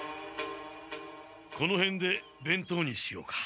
このへんでべんとうにしようか。